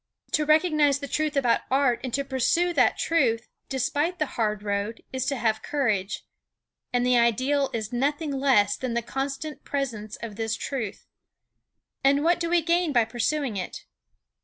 To recognize the truth about art and to pursue that truth, despite the hard road, is to have courage. And the Ideal is nothing else than the constant presence of this truth. And what do we gain by pursuing it?